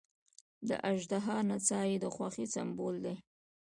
د اژدها نڅا یې د خوښۍ سمبول دی.